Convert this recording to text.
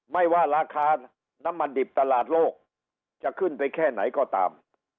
ไม่ว่าราคาน้ำมันดิบตลาดโลกจะขึ้นไปแค่ไหนก็ตาม